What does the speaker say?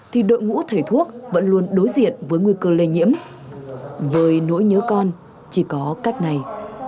thì đội ngũ thầy thuốc vẫn luôn đối diện với nguy cơ lây nhiễm với nỗi nhớ con chỉ có cách này